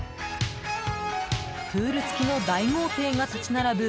プール付きの大豪邸が立ち並ぶ